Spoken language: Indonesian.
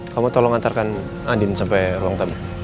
kamu tolong antarkan adin sampai ruang tamu